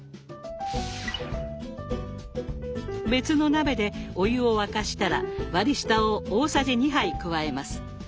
別の鍋でお湯を沸かしたら割り下を大さじ２杯加えます。